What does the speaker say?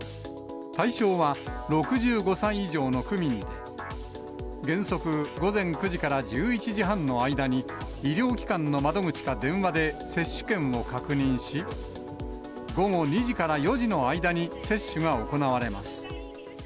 対象は、６５歳以上の区民で、原則午前９時から１１時半の間に、医療機関の窓口か電話で接種券を確認し、午後２時から４時の間に接種が行われます。